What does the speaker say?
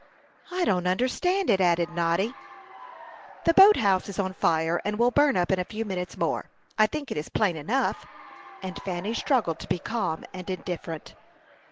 "I don't understand it," added Noddy. "The boat house is on fire, and will burn up in a few minutes more. I think it is plain enough;" and Fanny struggled to be calm and indifferent.